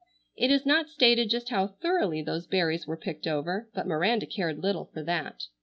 It is not stated just how thoroughly those berries were picked over. But Miranda cared little for that.